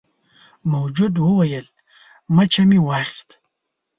موجود وویل مچه مې واخیسته.